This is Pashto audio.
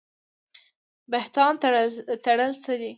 بهتان تړل څه دي؟